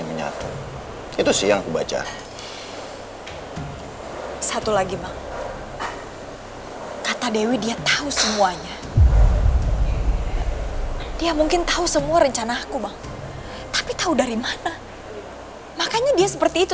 makanya dia seperti itu sama aku